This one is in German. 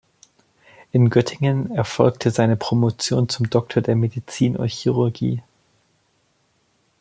In Göttingen erfolgte seine Promotion zum Doktor der Medizin und Chirurgie.